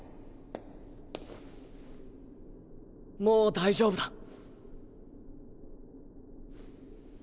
もう大丈夫だ。